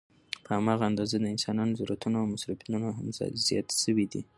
په هماغه اندازه د انسانانو ضرورتونه او مصروفيتونه هم زيات شوي دي